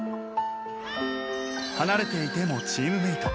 離れていてもチームメート。